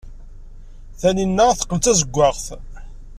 Taninna teqqel d tazewwaɣt.